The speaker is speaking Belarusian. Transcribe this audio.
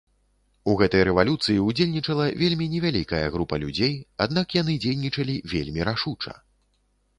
У гэтай рэвалюцыі ўдзельнічала вельмі невялікая група людзей, аднак яны дзейнічалі вельмі рашуча.